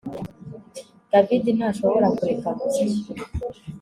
David ntashobora kureka gusya